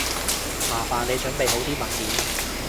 麻煩你準備好啲文件